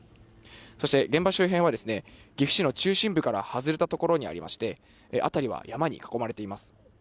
そして現場周辺は、岐阜市の中心部から外れた所にありまして、辺りは山に囲まれています。